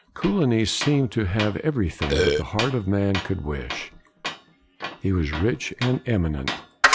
Coligny seemed to have everything that the heart of man could wish. He was rich and eminent.